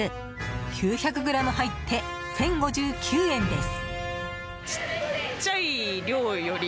９００ｇ入って１０５９円です。